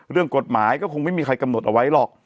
เรื่องกฎหมายก็คงไม่มีใครกำหนดเอาไว้หรอก